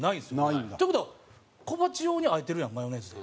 っていう事は小鉢用にあえてるやんマヨネーズで。